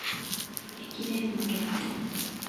駅伝まけた